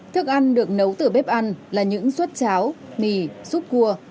thức ăn được nấu từ bếp ăn là những suất cháo mì xúc cua